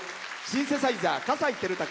シンセサイザー、葛西暉武。